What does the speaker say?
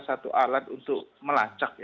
jadi itu tergantung keperluan orang di luar negara